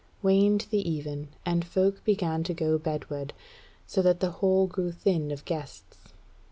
Waned the even, and folk began to go bedward, so that the hall grew thin of guests.